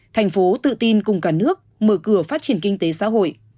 thành phố tự tin cùng cả nước mở cửa phát triển kinh tế xã hội